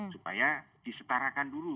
supaya disetarakan dulu